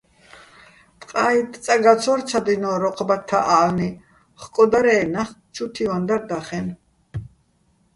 ტყა́იტტ წა გაცო́რცადინორ ო́ჴ ბათთა ა́ლნი, ხკო დარ-ე́ ნახ ჩუ თივაჼ დარ დახენო̆.